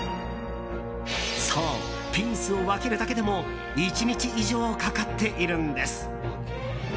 そう、ピースを分けるだけでも１日以上かかっているんです。